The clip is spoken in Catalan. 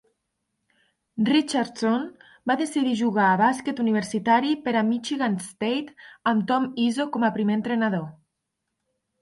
Richardson va decidir jugar a bàsquet universitari per a Michigan State amb Tom Izzo com a primer entrenador.